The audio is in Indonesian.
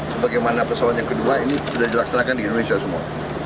jelak jelakan sebagaimana pesawat yang kedua ini sudah jelak jelakan di indonesia semua